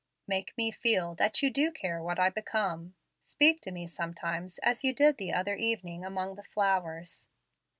Make me feel that you do care what I become. Speak to me sometimes as you did the other evening among the flowers.